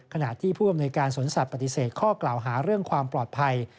ขณะที่ผู้อำนวยการสวนสัตว์ปฏิเสธข้อกล่าวหาเรื่องความปลอดภัย